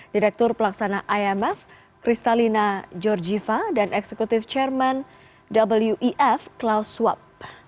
direktur pelaksanaan imf kristalina georgieva dan eksekutif chairman wef klaus swap